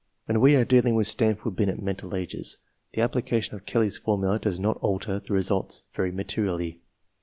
/When we are dealing with Stanford Binet mental ages, / the application of Kelley's formula does not alter the ! results very materially.